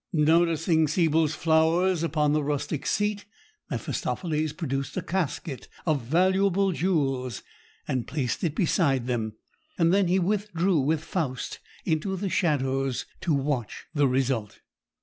Noticing Siebel's flowers upon the rustic seat, Mephistopheles produced a casket of valuable jewels and placed it beside them; and then he withdrew with Faust, into the shadows, to watch the result.